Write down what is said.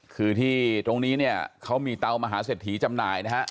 คือที่ตรงนี้เนี่ยเขามีเตามหาเศรษฐีจำหน่ายนะฮะ